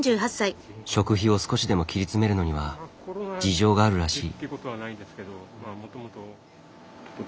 食費を少しでも切り詰めるのには事情があるらしい。